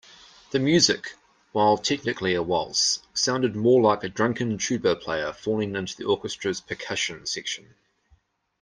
The music, while technically a waltz, sounded more like a drunken tuba player falling into the orchestra's percussion section.